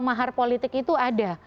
mahar politik itu ada